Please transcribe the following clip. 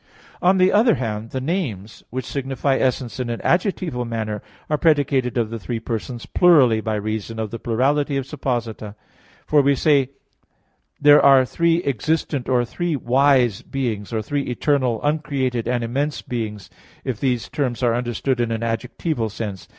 On the other hand, the names which signify essence in an adjectival manner are predicated of the three persons plurally, by reason of the plurality of supposita. For we say there are three "existent" or three "wise" beings, or three "eternal," "uncreated," and "immense" beings, if these terms are understood in an adjectival sense.